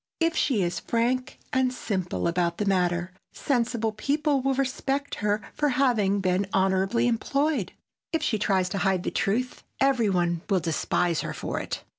If she is frank and simple about the matter, sensible people will respect her for having been honorably employed. If she tries to hide the truth, every one will despise her for it.